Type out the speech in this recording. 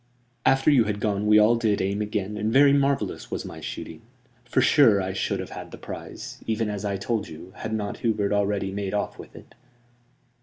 "After you had gone we all did aim again, and very marvellous was my shooting. For sure, I should have had the prize, even as I told you, had not Hubert already made off with it."